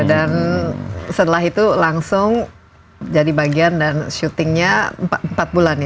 dan setelah itu langsung jadi bagian dan shootingnya empat bulan ya di